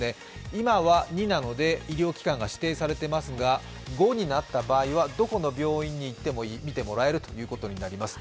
今は２なので医療機関が指定されていますが５になった場合はどこの病院に行っても診てもらえるということになります。